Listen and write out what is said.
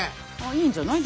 いいんじゃない？